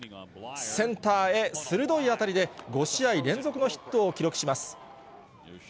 センターへ鋭い当たりで、５試合連続のヒットを記録します。